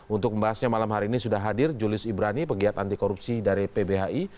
untuk membahasnya malam hari ini sudah hadir julis ibrani pegiat anti korupsi dari pbhi